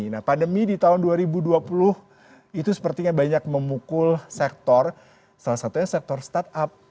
nah pandemi di tahun dua ribu dua puluh itu sepertinya banyak memukul sektor salah satunya sektor startup